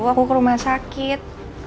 aku ke rumah sakit